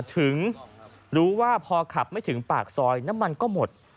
ถึงรู้ว่าพอขับไม่ถึงปากซอยน้ำมันก็หมด